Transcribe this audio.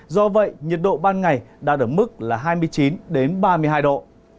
do vậy nhiệt độ ban ngày đã được mức là hai mươi chín ba mươi hai độ